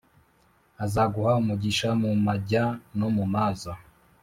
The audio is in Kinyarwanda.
“Azaguha umugisha mu majya no mu maza.